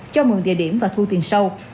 cho mượn địa điểm và thu tiền sâu